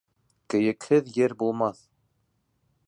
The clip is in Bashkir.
Кейекһеҙ ер булмаҫ.